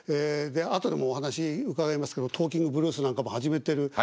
で後でもお話伺いますけど「トーキングブルース」なんかも始めてる。